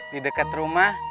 di deket rumah